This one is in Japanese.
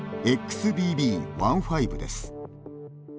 ＸＢＢ．１．５です。